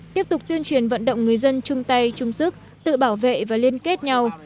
tiếp tục tuyên truyền vận động người dân chung tay chung sức tự bảo vệ và liên kết nhau